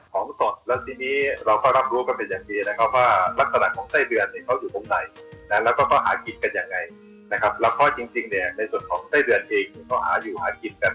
ของสดแล้วทีนี้เราก็รับรู้กันเป็นอย่างดีนะครับว่าลักษณะของไส้เดือนเขาอยู่ตรงไหน